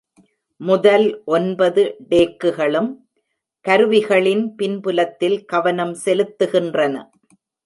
முதல் ஒன்பது டேக்குகளும் கருவிகளின் பின்புலத்தில் கவனம் செலுத்துகின்றன.